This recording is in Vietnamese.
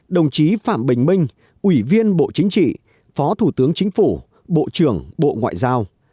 đồng chí phạm bình minh ủy viên bộ chính trị phó thủ tướng chính phủ bộ trưởng bộ ngoại giao